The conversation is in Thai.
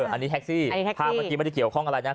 อันนี้แท็กซี่ภาพเมื่อกี้ไม่ได้เกี่ยวข้องอะไรนะ